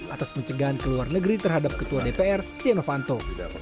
atas pencegahan ke luar negeri terhadap ketua dpr setia novanto